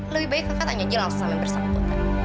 lebih baik kakak tanya dia langsung sampe bersama